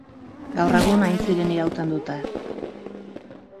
Gaur egun aintziren irauten dute.